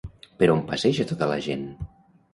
Per on passeja tota la gent?